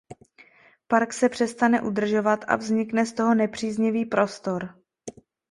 Park se přestane udržovat a vznikne z toho nepříznivý prostor.